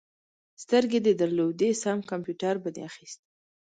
سترګې دې درلودې؛ سم کمپيوټر به دې اخيست.